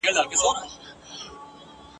د زمري به سوې په خوله کي وچي ناړي ..